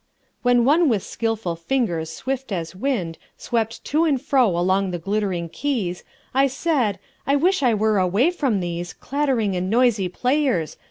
WHEN one with skillful fingers swift as wind Swept to and fro along the glittering keys, I said: I wish I were away from these Clattering and noisy players!